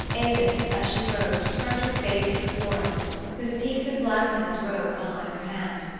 Avis, as she rowed, turned her face to the forest, whose peaks of blackness rose on either hand.